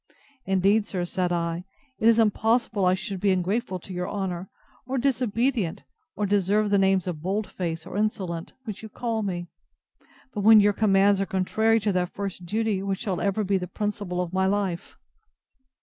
Indeed, sir, said I, it is impossible I should be ungrateful to your honour, or disobedient, or deserve the names of bold face or insolent, which you call me, but when your commands are contrary to that first duty which shall ever be the principle of my life!